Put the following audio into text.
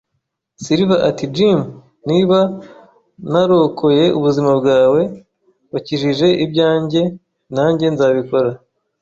Silver ati: "Jim, niba narokoye ubuzima bwawe, wakijije ibyanjye; nanjye nzabikora